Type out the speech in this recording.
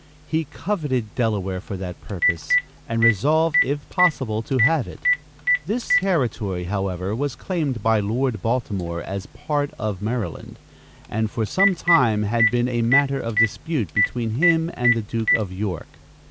He coveted Delaware for that purpose, and resolved if possible to have it. This territory, however, was claimed by Lord Baltimore as a part of Maryland, and for some time had been a matter of dispute between him and the Duke of York.